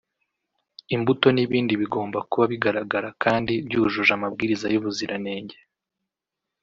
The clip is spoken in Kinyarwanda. imbuto n’ibindi bigomba kuba bigaragara kandi byujuje amabwiriza y’ubuziranenge